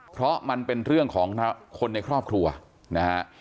เพราะมันเป็นเรื่องของคนในครอบครัวนะฮะ